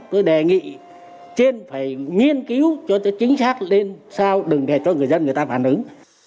tôi đề nghị trên phải nghiên cứu cho chính xác lên sao đừng để cho người dân người ta phản ứng